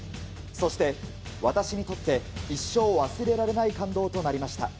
そして、私にとって一生忘れられない感動となりました。